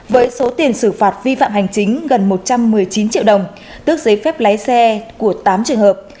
với số tiền xử phạt vi phạm hành chính gần một trăm một mươi chín triệu đồng tước giấy phép lái xe của tám trường hợp